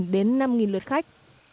ba đến năm lượt khách